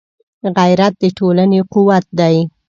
غیرت د ټولنې قوت دی